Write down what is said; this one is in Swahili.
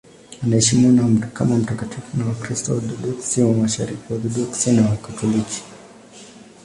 Anaheshimiwa kama mtakatifu na Wakristo Waorthodoksi wa Mashariki, Waorthodoksi na Wakatoliki.